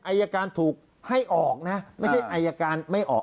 อายการถูกให้ออกนะไม่ใช่อายการไม่ออก